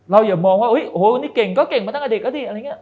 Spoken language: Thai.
เราอย่ามองว่าโอ้โหนี่เก่งก็เก่งมาตั้งแต่เด็กก็ดี